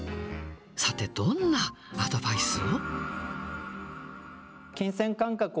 さて、どんなアドバイスを。